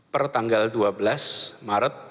pertanggal dua belas maret